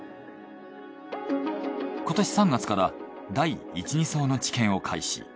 今年３月から第１・２相の治験を開始。